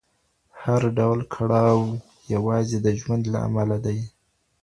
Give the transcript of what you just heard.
هر ډول کړاو یوازې د ژوند له امله دی.